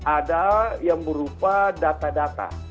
ada yang berupa data data